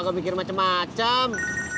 kok gak mikir macem macem